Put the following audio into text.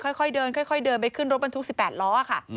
ค่อยเดินไปขึ้นรถบรรทุก๑๘ล้อค่ะ